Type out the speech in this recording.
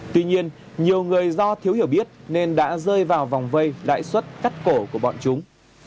tuy nhiên nhiều người do thiếu hiểu biết nên đã rơi vào vòng vây lãi suất cắt cổ của bọn chúng